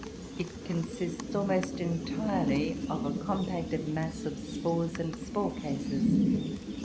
It consists, almost entirely, of a compacted mass of spores and spore cases.